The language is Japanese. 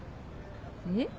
えっ？